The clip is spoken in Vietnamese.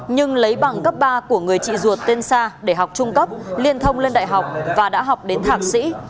nhưng lấy bằng cấp ba của người chị ruột tên xa để học trung cấp liên thông lên đại học và đã học đến thạc sĩ